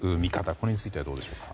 これについてはどうでしょう？